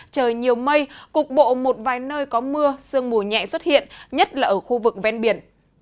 trời nhiều mây cục bộ một vài nơi có mưa sương mù nhẹ xuất hiện nhất là ở khu vực ven biển